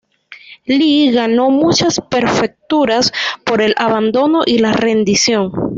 Li ganó muchas prefecturas por el abandono y la rendición.